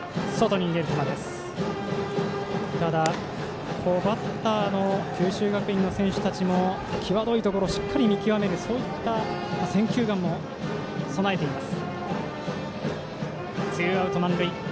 ただ、バッターの九州学院の選手たちも際どいところをしっかり見極める選球眼も備えています。